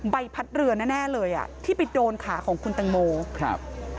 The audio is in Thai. ใบพัดเรือแน่แน่เลยอ่ะที่ไปโดนขาของคุณตังโมครับ